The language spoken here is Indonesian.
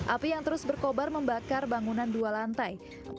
api yang terus berkobar membakar bangunan dua lantai